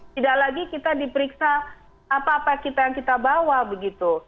tidak lagi kita diperiksa apa apa kita yang kita bawa begitu